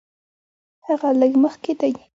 هغه لږ مخکې دی.